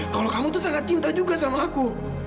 kalau kamu tuh sangat cinta juga sama aku